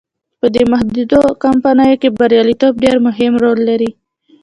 په دې محدودو کمپاینونو کې بریالیتوب ډیر مهم رول لري.